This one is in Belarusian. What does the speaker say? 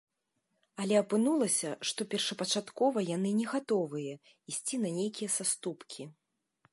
Але апынулася, што першапачаткова яны не гатовыя ісці на нейкія саступкі.